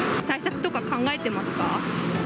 対策とか考えてますか？